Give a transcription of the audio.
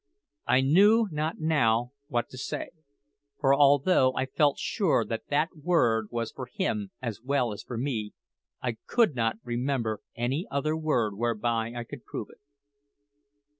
I knew not now what to say, for although I felt sure that that word was for him as well as for me, I could not remember any other word whereby I could prove it.